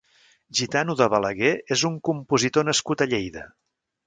Gitano de Balaguer és un compositor nascut a Lleida.